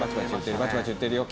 バチバチいってるよ。